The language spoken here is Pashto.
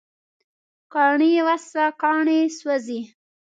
کاڼي وسوه، کاڼي سوزی